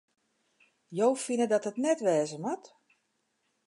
Jo fine dat it net wêze moat?